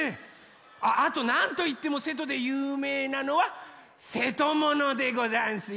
あっあとなんといってもせとでゆうめいなのはせとものでござんすよ。